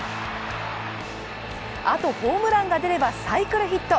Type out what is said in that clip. あとホームランが出ればサイクルヒット。